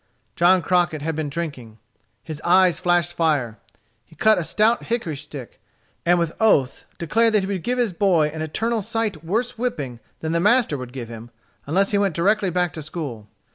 John Crockett had been drinking. His eyes flashed fire. He cut a stout hickory stick, and with oaths declared that he would give his boy an "eternal sight" worse whipping than the master would give him, unless he went directly back to school.